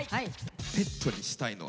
「ペットにしたいのは？」。